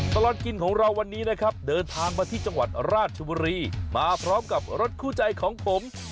ตลอดกินของเราวันนี้นะครับเดินทางมาที่จังหวัดราชบุรีมาพร้อมกับรถคู่ใจของผม